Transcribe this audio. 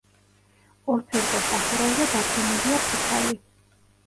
ორფერდა სახურავზე დაფენილია ფიქალი.